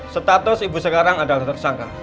status ibu sekarang adalah tersangka